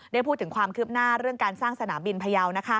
ได้พูดถึงความคืบหน้าเรื่องการสร้างสนามบินพยาว